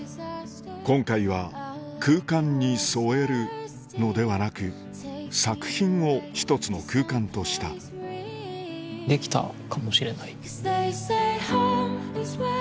今回は空間に添えるのではなく作品を一つの空間とした出来たかもしれない。